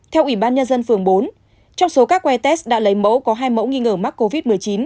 theo ủy ban nhân dân phường bốn trong số các wites đã lấy mẫu có hai mẫu nghi ngờ mắc covid một mươi chín